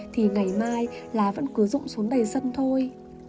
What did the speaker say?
thì ngày mai lá vẫn cứ rụm xuống đầy sân thôi